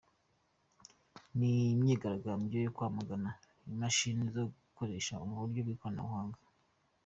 Ni imyigaragambyo yo kwamagana imashini zo gutoresha mu buryo bw’ikoranabuhanga.